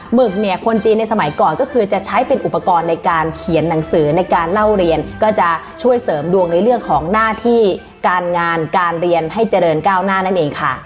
หึกเนี่ยคนจีนในสมัยก่อนก็คือจะใช้เป็นอุปกรณ์ในการเขียนหนังสือในการเล่าเรียนก็จะช่วยเสริมดวงในเรื่องของหน้าที่การงานการเรียนให้เจริญก้าวหน้านั่นเองค่ะ